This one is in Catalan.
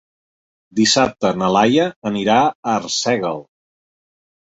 Dissabte na Laia anirà a Arsèguel.